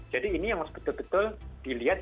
jadi ini yang harus betul betul dilihat